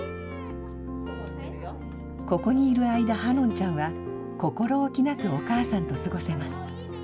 ここにいる間、葉音ちゃんは心おきなくお母さんと過ごせます。